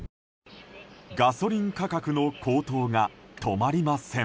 ガソリン価格の高騰が止まりません。